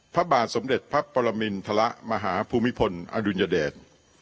พระบาทสมเด็จพระปรมินทรมาหาภูมิพลอดุลยเดช